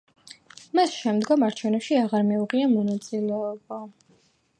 მას შემდგომ არჩევნებში აღარ მიუღია მონაწილეობა.